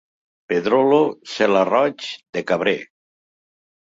Pedrolo, ce la Roig, de Cabré.